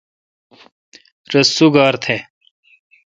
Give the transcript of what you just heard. رس سوگار تھ۔